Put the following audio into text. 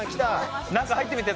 中入ってみて。